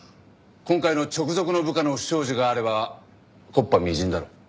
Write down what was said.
今回の直属の部下の不祥事があれば木っ端みじんだろう。